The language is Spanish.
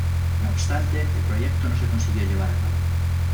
No obstante, el proyecto no se consiguió llevar a cabo.